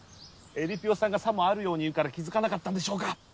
えりぴよさんがさもあるように言うから気付かなかったんでしょうが！